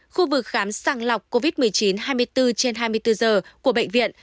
khu vực khám sàng lọc covid một mươi chín hai mươi bốn trên hai mươi bốn giờ của bệnh viện